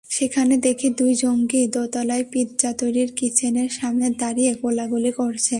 সেখানে দেখি দুই জঙ্গি দোতলায় পিৎজা তৈরির কিচেনের সামনে দাঁড়িয়ে গোলাগুলি করছে।